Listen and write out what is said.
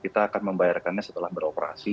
kita akan membayarkannya setelah beroperasi